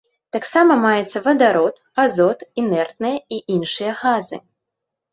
Таксама маецца вадарод, азот, інертныя і іншыя газы.